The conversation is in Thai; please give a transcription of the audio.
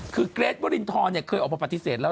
คือเกรทวรินทรเคยออกมาปฏิเสธแล้ว